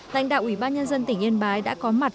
lãnh đạo ủy ban nhân dân tỉnh yên bái đã có mặt